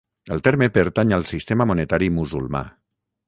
El terme pertany al sistema monetari musulmà.